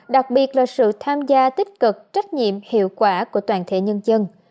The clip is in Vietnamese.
đặc biệt là sự tham gia tích cực trách nhiệm hiệu quả của toàn thể nhân dân